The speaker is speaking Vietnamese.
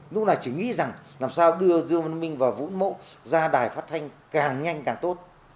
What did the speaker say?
lúc này chỉ nghĩ rằng làm sao đưa dương văn minh và vũ mộ ra đài phát thanh càng nhanh càng tốt